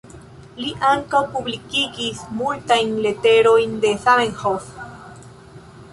Li ankaŭ publikigis multajn leterojn de Zamenhof.